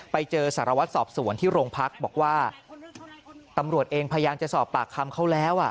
ไปเจอสารวัตรสอบสวนที่โรงพักบอกว่าตำรวจเองพยายามจะสอบปากคำเขาแล้ว